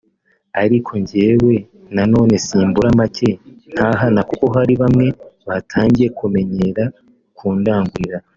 ariko jyewe na none simbura make ntahana kuko hari bamwe batangiye kumenyera kundangurira